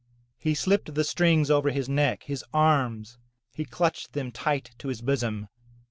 He slipped the strings over his neck, his arms, he clutched them tight to his bosom.